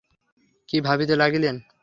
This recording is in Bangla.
কি ভাবিতে লাগিলেন।